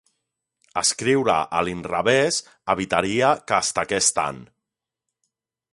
Escriure a l'inrevés evitaria que es taqués tant.